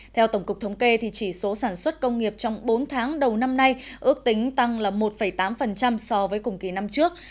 theo tổng cục thống kê chỉ số sản xuất công nghiệp trong bốn tháng đầu năm nay ước tính tăng một tám so với cùng kỳ năm trước